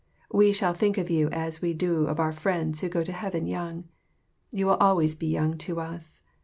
We shall think of you as we do of our friends who go to heaven young. You will always be young to us.